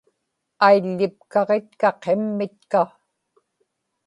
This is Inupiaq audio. aiḷḷipkaġitka qimmitka